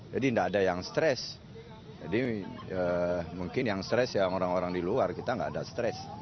jadi gak ada yang stress jadi mungkin yang stress ya orang orang di luar kita gak ada stress